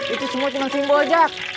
itu semua cuma simbol jak